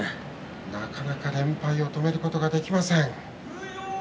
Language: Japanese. なかなか連敗を止めることができません。